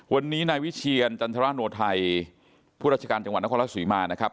วันนี้นายวิเชียรจันทรโนไทยผู้ราชการจังหวัดนครรัฐศรีมานะครับ